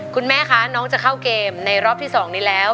คุณแม่คะน้องจะเข้าเกมในรอบที่๒นี้แล้ว